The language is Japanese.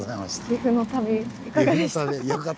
岐阜の旅いかがでしたか？